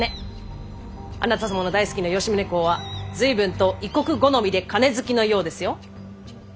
あなた様の大好きな吉宗公は随分と異国好みで金好きのようですよ！